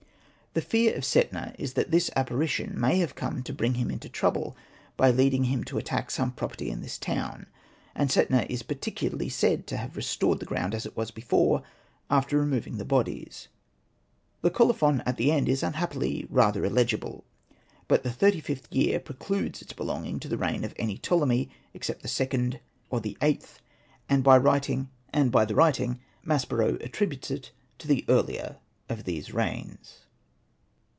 The fear of Setna is that this apparition may have come to bring him into trouble by leading him to attack some property in this town ; and Setna is particularly said to have restored the ground as it was before, after removing the bodies. The colophon at the end is unhappily rather illegible. But the thirty fifth year precludes its belonging to the reign of any Ptolemy, except the Ilnd or the Vlllth ; and by the writing Maspero attributes it to the earlier of these reigns.